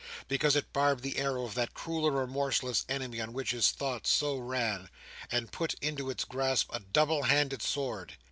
Because it barbed the arrow of that cruel and remorseless enemy on which his thoughts so ran, and put into its grasp a double handed sword.